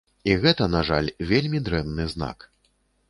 І гэта, на жаль, вельмі дрэнны знак.